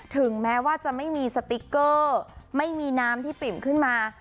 ถึงแม้ว่าจะไม่มีสติ๊กเกอร์ไม่มีน้ำที่ปิ่มขึ้นมา